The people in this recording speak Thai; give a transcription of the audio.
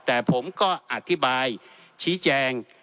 แต่ผมก็อธิบายชี้แจง